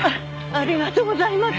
ありがとうございます。